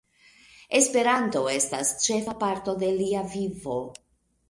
Esperanto estis ĉefa parto de lia vivo.